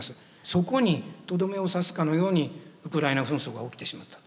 そこにとどめを刺すかのようにウクライナ紛争が起きてしまった。